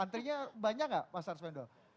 antrinya banyak gak mas arsvindo